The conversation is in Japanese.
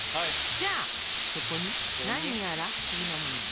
じゃあそこに何やら不思議なものが。